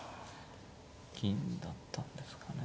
銀だったんですかね。